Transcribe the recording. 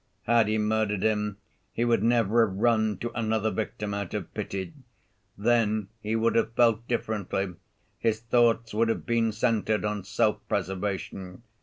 Had he murdered him, he would never have run to another victim out of pity; then he would have felt differently; his thoughts would have been centered on self‐preservation.